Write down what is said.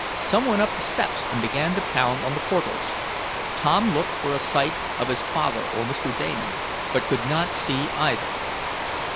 Some went up the steps and began to pound on the portals. Tom looked for a sight of his father or Mr. Damon, but could not see either.